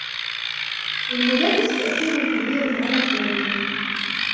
للمدرس تأثير كبير على تلاميذه.